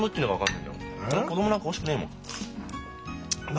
うん。